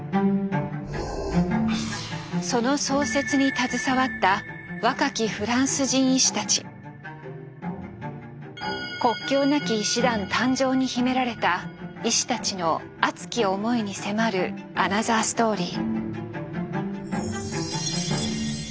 その創設に携わった国境なき医師団誕生に秘められた医師たちの熱き思いに迫るアナザーストーリー。